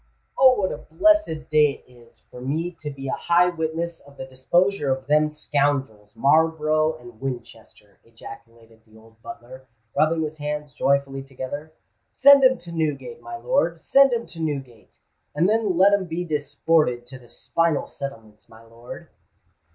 "Oh! what a blessed day it is for me to be a high witness of the disposure of them scoundrels Marlborough and Winchester!" ejaculated the old butler, rubbing his hands joyfully together. "Send 'em to Newgate, my lord—send 'em to Newgate—and then let 'em be disported to the spinal settlements, my lord!"